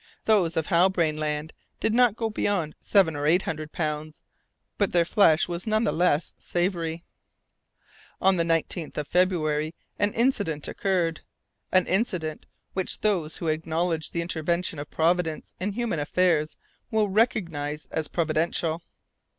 Those of Halbrane Land did not go beyond seven or eight hundred pounds, but their flesh was none the less savoury. On the 19th of February an incident occurred an incident which those who acknowledge the intervention of Providence in human affairs will recognize as providential.